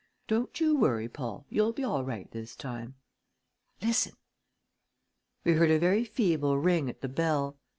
Don't you worry, Paul! You'll be all right this time. Listen!" We heard a very feeble ring at the bell. Mr.